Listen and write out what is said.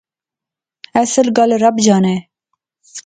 اصل گل رب جانے